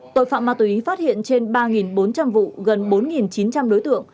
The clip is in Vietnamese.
tội phạm ma túy phát hiện trên ba bốn trăm linh vụ gần bốn chín trăm linh đối tượng